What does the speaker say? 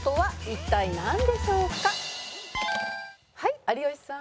はい有吉さん。